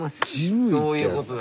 そういうことだ。